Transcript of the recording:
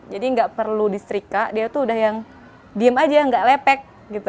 jadi tidak perlu diserika dia itu sudah yang diam saja tidak lepek